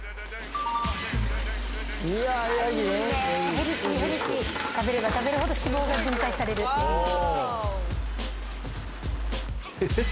ヘルシーヘルシー食べれば食べるほど脂肪が分解されるヤギ肉ええっ